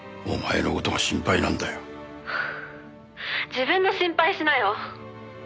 自分の心配しなよ」